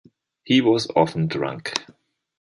He was often drunk.